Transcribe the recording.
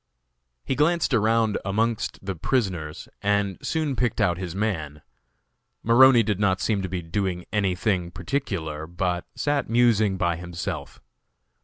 He glanced around amongst the prisoners, and soon picked out his man. Maroney did not seem to be doing any thing particular, but sat musing by himself.